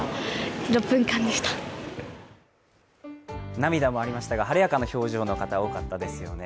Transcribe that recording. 涙もありましたが、晴れやかな表情の方、多かったですよね。